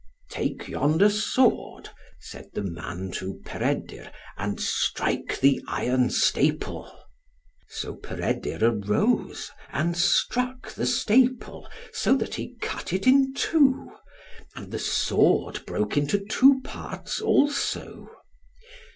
"Take yonder sword," said the man to Peredur, "and strike the iron staple." So Peredur arose, and struck the staple, so that he cut it in two; and the sword broke into two parts also.